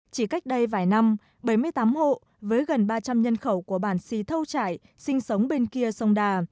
chỉ cách đây vài năm bảy mươi tám hộ với gần ba trăm linh nhân khẩu của bản xì thâu trải sinh sống bên kia sông đà